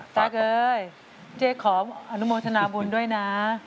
ตั๊กเอ้ยเจ๊ขออนุโมชนะบุญด้วยนะ